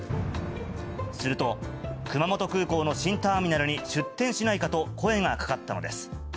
すると、熊本空港の新ターミナルに出店しないかと声がかかったのです。